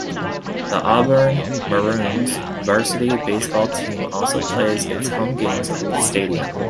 The Auburn Maroons varsity baseball team also plays its home games at the stadium.